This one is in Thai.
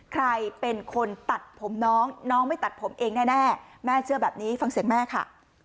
ใครเป็นคนตัดผมน้องน้องไม่ตัดผมเองแน่แม่เชื่อแบบนี้ฟังเสียงแม่ค่ะ